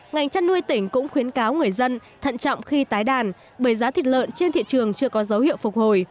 ngành chăn nuôi tỉnh cũng khuyến cáo người dân thận trọng khi tái đàn bởi giá thịt lợn trên thị trường chưa có dấu hiệu phục hồi